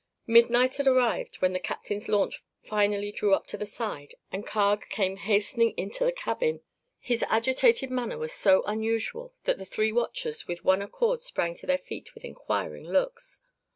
Midnight had arrived when the captain's launch finally drew up to the side and Carg came hastening into the cabin. His agitated manner was so unusual that the three watchers with one accord sprang to their feet with inquiring looks.